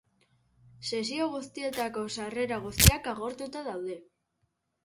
Sesio guztietako sarrera guztiak agortuta daude.